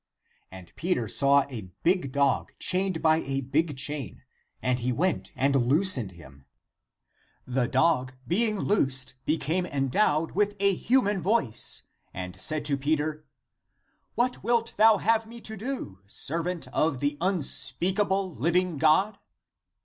And Peter saw a big dog, chained by a big chain, and he went and loos ened him. The dog, being loosed, became endowed with a human voice, and said to Peter, " What wilt thou to have me to do, servant of the unspeakable living God